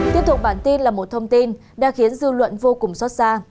tiếp tục bản tin là một thông tin đã khiến dư luận vô cùng xót xa